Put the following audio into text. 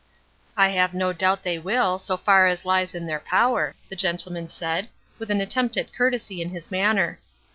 "I have no doubt they will, so far as lies in their power," the gentleman said, with an attempt at courtesy in his manner.